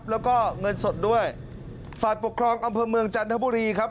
แล้วก็เงินสดด้วยฝ่ายปกครองอำเภอเมืองจันทบุรีครับ